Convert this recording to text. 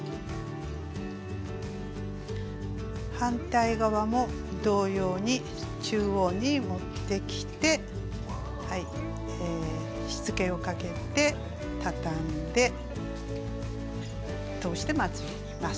反対側も同様に中央に持ってきてしつけをかけてたたんで通してまつります。